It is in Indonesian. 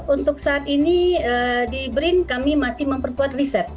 untuk saat ini di brin kami masih memperkuat riset